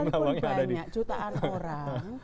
sekalipun banyak jutaan orang